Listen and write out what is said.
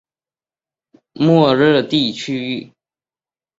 莫热地区勒潘。